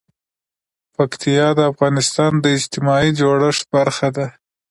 پکتیا د افغانستان د اجتماعي جوړښت برخه ده.